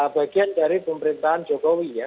bagian dari pemerintahan jokowi ya